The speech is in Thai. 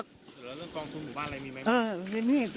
เขาลงให้ไหมตอนที่แม่ขอ